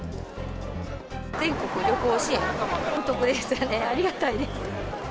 全国旅行支援、お得ですよね、ありがたいです。